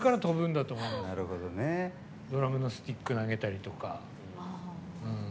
ドラムのスティック投げたりとか。